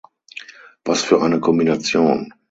Was für eine Kombination!